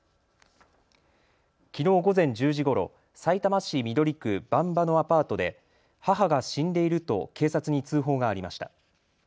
きのう午前１０時ごろ、さいたま市緑区馬場のアパートで母が死んでいると警察に通報がありました。